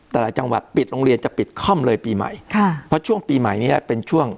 แต่ละจังหวัดปิดโรงเรียนจะปิดค่อมเลยปีใหม่ค่ะเพราะช่วงปีใหม่นี้เป็นช่วง